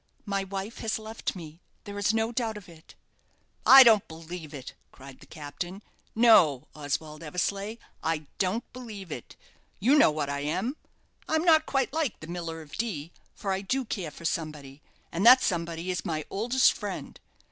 My wife has left me there is no doubt of it." "I don't believe it," cried the captain. "No, Oswald Eversleigh, I don't believe it. You know what I am. I'm not quite like the Miller of Dee, for I do care for somebody; and that somebody is my oldest friend.